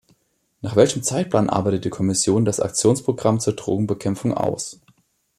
Nach welchem Zeitplan arbeitet die Kommission das Aktionsprogramm zur Drogenbekämpfung aus?